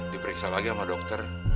diperiksa lagi sama dokter